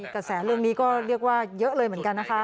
กระแสเรื่องนี้ก็เรียกว่าเยอะเลยเหมือนกันนะคะ